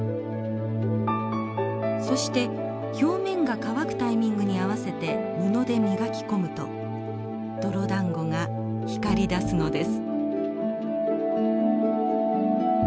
そして表面が乾くタイミングに合わせて布で磨き込むと泥だんごが光りだすのです。